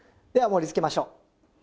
では盛り付けましょう。